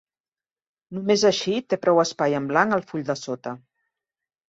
Només així té prou espai en blanc al full de sota.